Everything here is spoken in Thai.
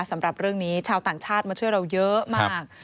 สำหรับเรื่องนี้ชาวต่างชาติมาช่วยเราเยอะมาก